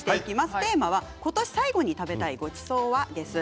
テーマは、ことし最後に食べたいごちそうは？です。